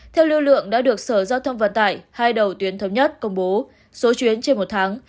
theo lưu lượng đã được sở giao thông vận tải hai đầu tuyến thống nhất công bố số chuyến trên một tháng